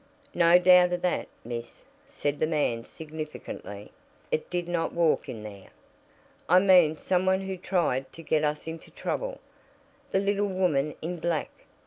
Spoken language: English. "No doubt of that, miss," said the man significantly. "It did not walk in there." "I mean some one who tried to get us into trouble. The little woman in black!"